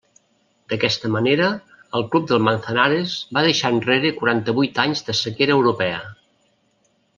D'aquesta manera, el club del Manzanares va deixar enrere quaranta-vuit anys de sequera europea.